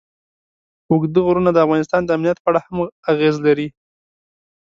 اوږده غرونه د افغانستان د امنیت په اړه هم اغېز لري.